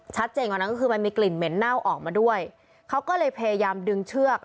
กว่านั้นก็คือมันมีกลิ่นเหม็นเน่าออกมาด้วยเขาก็เลยพยายามดึงเชือก